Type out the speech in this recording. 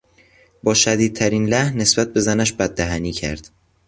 با شدیدترین لحن نسبت به زنش بددهنی کرد.